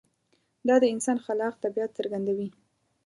دا د انسان خلاق طبیعت څرګندوي.